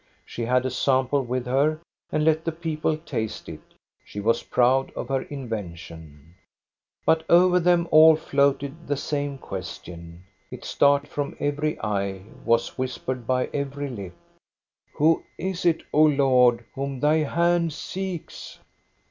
She had a sample with her, and let the people taste it. She was proud of her invention. THE DROUGHT 377 But over them all floated the same question. It stared from every eye, was whispered by every lip :" Who is it, O Lord, whom Thy hand seeks?"